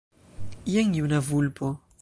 Jen juna vulpo.